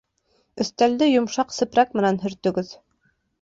Өҫтәлде йомшаҡ сепрәк менән һөртөгөҙ